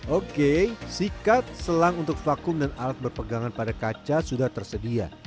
oke sikat selang untuk vakum dan alat berpegangan pada kaca sudah tersedia